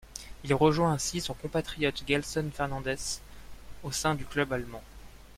Il rejoint ainsi son compatriote Gelson Fernandes au sein du club allemand.